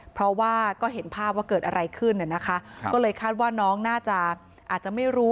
เพราะว่าก็เห็นภาพว่าเกิดอะไรขึ้นน่ะนะคะก็เลยคาดว่าน้องน่าจะอาจจะไม่รู้